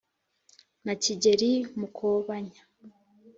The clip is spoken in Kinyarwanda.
na kigeli mukobanya